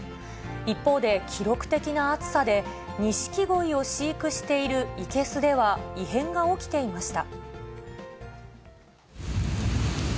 一方で、記録的な暑さで、ニシキゴイを飼育している生けすでは、異変が起きていました。